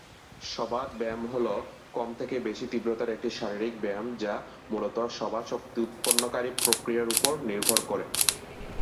সবাত ব্যায়াম হল কম থেকে বেশি তীব্রতার একটি শারীরিক ব্যায়াম যা মূলত সবাত শক্তি-উৎপন্নকারী প্রক্রিয়ার উপর নির্ভর করে।